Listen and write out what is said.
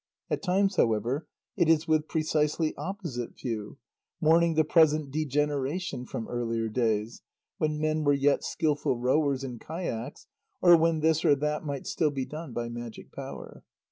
At times, however, it is with precisely opposite view, mourning the present degeneration from earlier days, "when men were yet skilful rowers in 'kayaks,' or when this or that might still be done 'by magic power.'"